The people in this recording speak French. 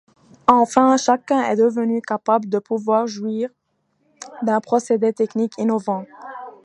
Enfin, chacun est devenu capable de pouvoir jouir d'un procédé technique innovant.